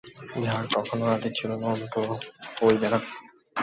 ইহার কখনও আদি ছিল না, অন্তও হইবে না।